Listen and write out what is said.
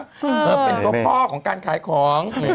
เหมือนก็พอของการขายของ